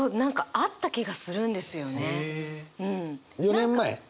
４年前？